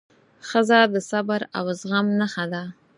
ښځه د صبر او زغم نښه ده.